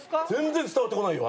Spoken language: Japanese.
全然伝わってこないよ